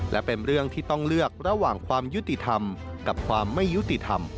และเป็นเรื่องที่ต้องเลือกระหว่างความยุติธรรมกับความไม่ยุติธรรม